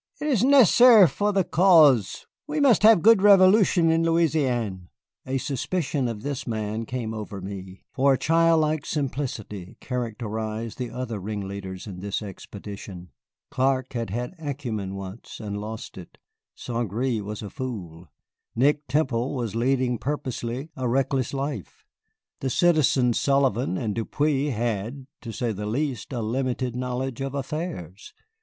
"It is necessair for the cause. We must have good Revolution in Louisiane." A suspicion of this man came over me, for a childlike simplicity characterized the other ringleaders in this expedition. Clark had had acumen once, and lost it; St. Gré was a fool; Nick Temple was leading purposely a reckless life; the Citizens Sullivan and Depeau had, to say the least, a limited knowledge of affairs.